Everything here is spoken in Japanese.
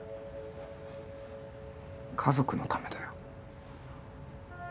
家族のためだよ